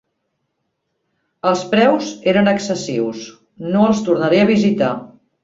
Els preus eren excessius, no els tornaré a visitar.